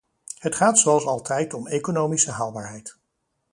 Het gaat zoals altijd om economische haalbaarheid.